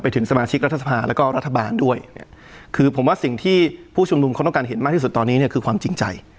ถึงสมาชิกรัฐสภาแล้วก็รัฐบาลด้วยเนี่ยคือผมว่าสิ่งที่ผู้ชุมนุมเขาต้องการเห็นมากที่สุดตอนนี้เนี่ยคือความจริงใจ